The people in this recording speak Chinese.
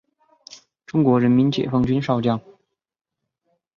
中国人民解放军少将。